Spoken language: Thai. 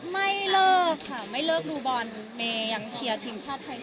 แบบนี้จะเลิกดูบอลไหม